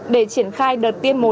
để triển khai đợt tiêm một